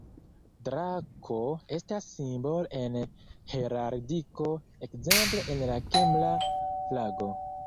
Drako estas simbolo en Heraldiko, ekzemple en la Kimra flago.